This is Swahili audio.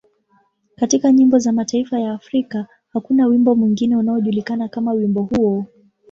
Katika nyimbo za mataifa ya Afrika, hakuna wimbo mwingine unaojulikana kama wimbo huo.